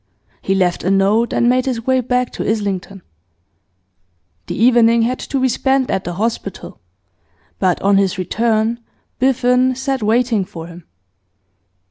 He left a note, and made his way back to Islington. The evening had to be spent at the hospital, but on his return Biffen sat waiting for him.